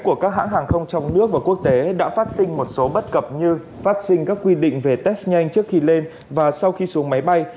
các hãng hàng không trong nước và quốc tế đã phát sinh một số bất cập như phát sinh các quy định về test nhanh trước khi lên và sau khi xuống máy bay